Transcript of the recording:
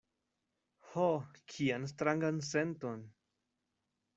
Ho, kian strangan senton!